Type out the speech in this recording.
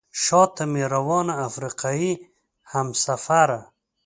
شاته مې روانه افریقایي همسفره.